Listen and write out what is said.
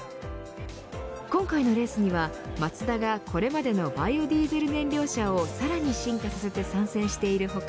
今回のレースにはマツダがこれまでのバイオディーゼル燃料車をさらに進化させて参戦している他